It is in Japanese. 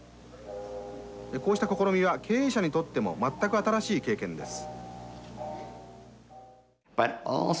こうした試みは経営者にとっても全く新しい経験です」。